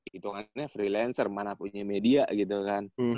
hitungannya freelancer mana punya media gitu kan